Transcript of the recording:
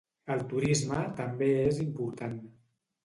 El turisme també és important.